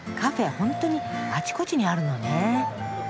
ほんとにあちこちにあるのね。